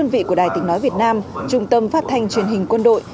vị của đài tiếng nói việt nam trung tâm phát thanh truyền hình quân đội